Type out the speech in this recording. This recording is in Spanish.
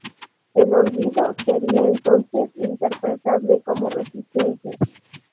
El olvido sería entonces interpretable como resistencia.